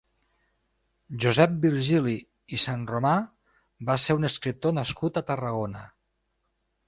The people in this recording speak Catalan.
Josep Virgili i Sanromà va ser un escriptor nascut a Tarragona.